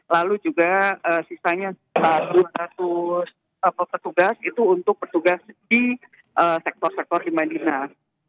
lalu juga sisanya dua ratus petugas itu untuk petugas di sektor sektor di madinah